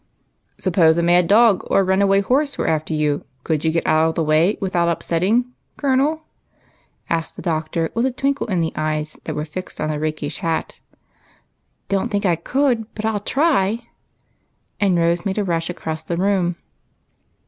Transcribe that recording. " Suppose a mad dog or a runaway horse was after you, could you get out of the way without upsetting, Colonel?" asked the Doctor, with a twinkle in the eyes that were fixed on the rakish hat. " Don't think I could, but I '11 try," and Rose made a rush across the room.